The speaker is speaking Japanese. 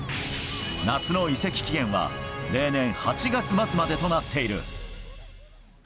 夏の移籍期限は例年８月末までとなっている。